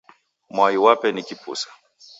Mwai wape ni kipusa.